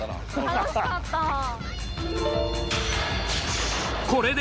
楽しかったな。